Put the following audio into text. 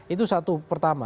itu satu pertama